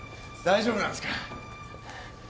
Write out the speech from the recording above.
大丈夫なんすか？